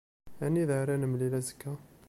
Anida ara nemlil azekka?